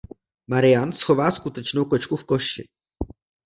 Marianne schová skutečnou kočku v koši.